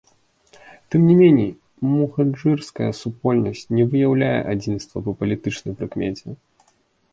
Тым не меней, мухаджырская супольнасць не выяўляе адзінства па палітычнай прыкмеце.